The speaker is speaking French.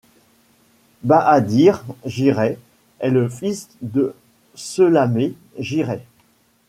Bahadir Giray est le fils de Selamet Giray.